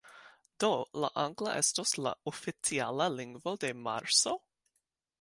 Do, la angla estos la oficiala lingvo de Marso?